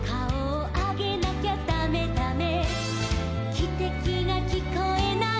「きてきがきこえない」